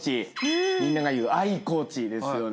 みんなが言う「愛コーチ」ですよね。